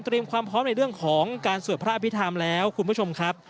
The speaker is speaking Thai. เตรียมความพร้อมในเรื่องของการส่วนพระอภิทธิ์ทามแล้วคุณผู้ชมครับ